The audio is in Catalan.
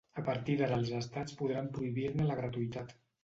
A partir d'ara els estats podran prohibir-ne la gratuïtat.